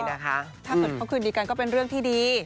ถ้าเกิดเขาคืนดีกันก็เป็นเรื่องที่ดี